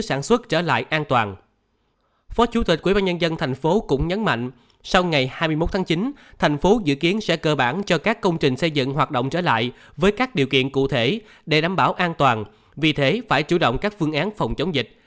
sau ngày hai mươi một tháng chín thành phố dự kiến sẽ cơ bản cho các công trình xây dựng hoạt động trở lại với các điều kiện cụ thể để đảm bảo an toàn vì thế phải chủ động các phương án phòng chống dịch